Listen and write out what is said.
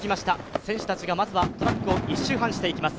選手たちがまずはトラックを１周半していきます。